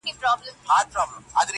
ورته جوړه په ګوښه کي هدیره سوه!!